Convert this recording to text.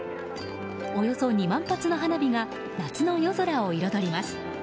およそ２万発の花火が夏の夜空を彩ります。